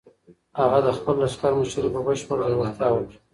هغه د خپل لښکر مشري په بشپړ زړورتیا وکړه.